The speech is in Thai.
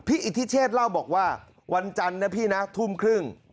อิทธิเชษเล่าบอกว่าวันจันทร์นะพี่นะทุ่มครึ่ง